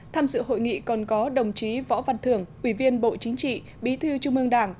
tham dự hội nghị còn có đồng chí võ văn thưởng ủy viên bộ chính trị bí thư trung ương đảng